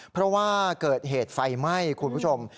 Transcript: เพราะว่าเกิดเหตุไฟไหม้คุณผู้ชม